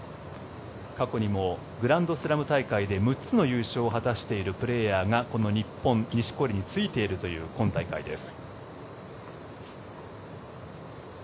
過去にもグランドスラム大会で６つの優勝を果たしているプレーヤーがこの日本、錦織についているという今大会です。